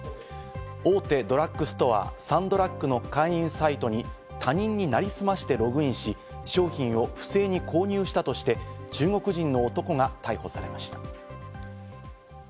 大手ドラッグストア、サンドラッグの会員サイトに他人に成りすましてログインし、商品を不正に購入したとして、中国人の男が逮捕されました。